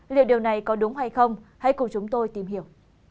liệu điều này có đúng hay không hãy cùng chúng tôi tìm hiểu